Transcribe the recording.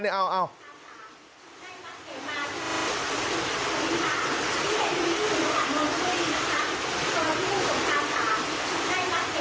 ที่เมื่อมานี่คืนหน้ำกรอบนะคะ